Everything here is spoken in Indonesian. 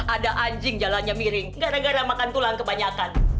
ada anjing jalannya miring gara gara makan tulang kebanyakan